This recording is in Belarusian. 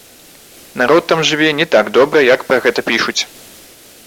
Народ там жыве не так добра, як пра гэта пішуць.